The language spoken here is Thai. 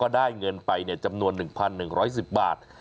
ได้เงินไปจำนวน๑๑๑๐บาท